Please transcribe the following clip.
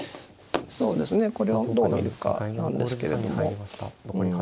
そうですねこれをどう見るかなんですけれども。